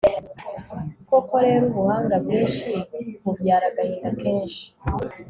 koko rero, ubuhanga bwinshi bubyara agahinda kenshi